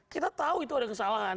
kita tahu itu ada kesalahan